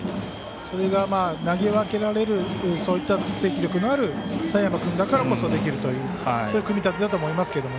それが、投げ分けられるそういった力のある佐山君だからこそできる組み立てだと思います。